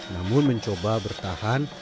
namun mencoba bertahan